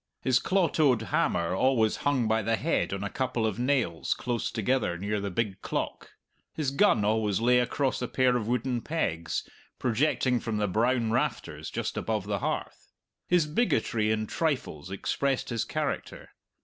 His claw toed hammer always hung by the head on a couple of nails close together near the big clock; his gun always lay across a pair of wooden pegs, projecting from the brown rafters, just above the hearth. His bigotry in trifles expressed his character.